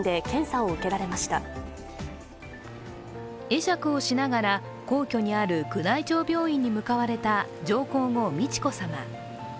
会釈をしながら皇居にある宮内庁病院に向かわれた上皇后・美智子さま。